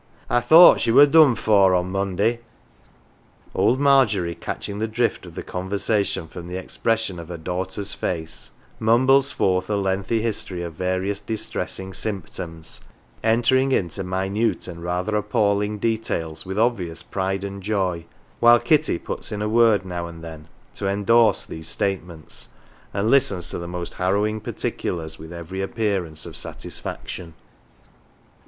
I thought she were done for on Monday/' 1 Old Margery, catching the drift of the conversation from the expression of her daughter's face, mumbles forth a lengthy history of various distressing symptoms, entering into minute and rather appalling details with obvious pride and joy, while Kitty puts in a word now and then to endorse these statements, and listens to the most harrowing particulars with every appearance of satisfaction.